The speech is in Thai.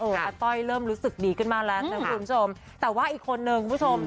อาต้อยเริ่มรู้สึกดีขึ้นมากแล้วนะคุณผู้ชมแต่ว่าอีกคนนึงคุณผู้ชม